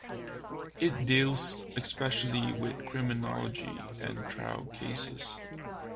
It deals especially with criminology and trial cases.